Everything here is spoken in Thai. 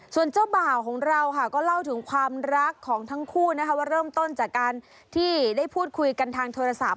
ส่วนเจ้าบ่าวของเราค่ะก็เล่าถึงความรักของทั้งคู่นะคะว่าเริ่มต้นจากการที่ได้พูดคุยกันทางโทรศัพท์